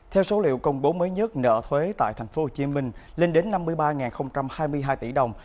theo số liệu công bố mới nhất nợ thuế tại tp hcm lên đến năm mươi ba hai mươi hai tỷ đồng